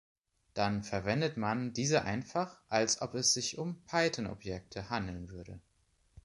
Dann verwendet man diese einfach, als ob es sich um Python-Objekte handeln würde.